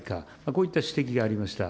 こういった指摘がありました。